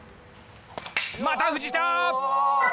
また藤田！